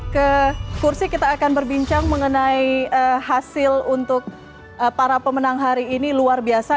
ke kursi kita akan berbincang mengenai hasil untuk para pemenang hari ini luar biasa